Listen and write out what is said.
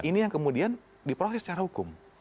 ini yang kemudian diproses secara hukum